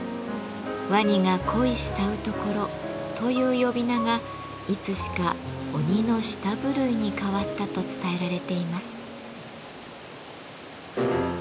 ワニが恋い慕うところという呼び名がいつしか「鬼の舌震」に変わったと伝えられています。